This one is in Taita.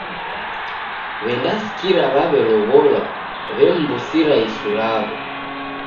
W'endasikira waw'elow'olwa w'emw'usira isu raw'o.